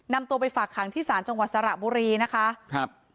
นำตัวไปฝากขังที่ศาลจังหวัดสระบุรีนะคะครับ